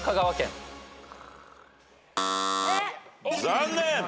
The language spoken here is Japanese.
残念！